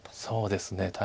そうですね。